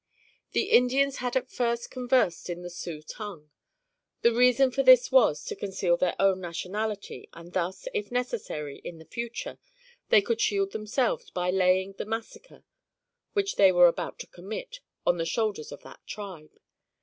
The Indians had at first conversed in the Sioux tongue. The reason for this was, to conceal their own nationality and thus, if necessary, in the future, they could shield themselves by laying the massacre, which they were about to commit, on the shoulders of that tribe.